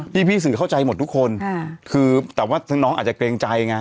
พี่พี่สื่อเข้าใจหมดทุกคนคือแต่ว่าทั้งน้องอาจจะเกรงใจไง